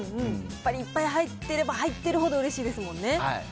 やっぱりいっぱい入ってれば入ってるほどうれしいですもんね。